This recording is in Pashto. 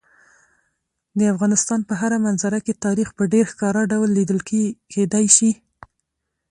د افغانستان په هره منظره کې تاریخ په ډېر ښکاره ډول لیدل کېدی شي.